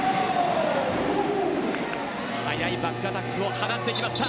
速いバックアタックを放ってきました。